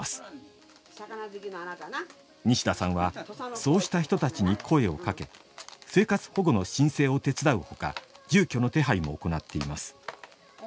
西田さんはそうした人たちに声をかけ生活保護の申請を手伝うほか住居の手配も行っています。